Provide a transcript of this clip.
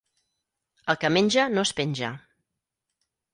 El que menja no es penja.